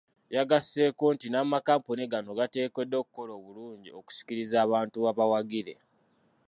Yagasseeko nti n'amakampuni gano gateekeddwa okukola obulungi okusikiriza abantu babawagire.